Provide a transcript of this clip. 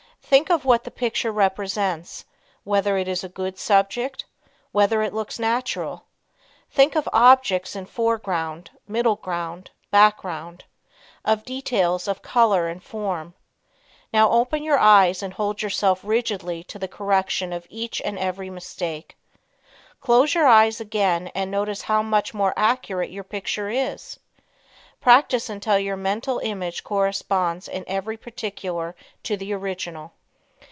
Think of what the picture represents; whether it is a good subject; whether it looks natural. Think of objects in foreground, middle ground, background; of details of color and form. Now open your eyes and hold yourself rigidly to the correction of each and every mistake. Close eyes again and notice how much more accurate your picture is. Practice until your mental image corresponds in every particular to the original.